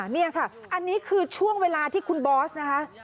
นี่ค่ะอันนี้คือช่วงเวลาที่คุณบอสนะคะ